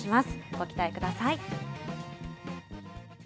ご期待ください。